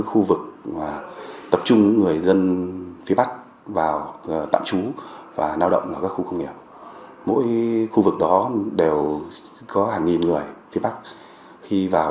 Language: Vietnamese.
hẹn gặp lại các bạn trong những video tiếp theo